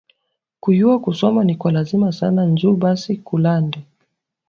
Kuyuwa kusoma ni kwa lazima sana nju basi kulande